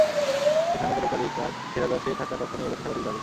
সেখানে পদক তালিকার সেরা দশে থাকার লক্ষ্য নিয়েই এগোচ্ছে স্বাগতিক ব্রাজিল।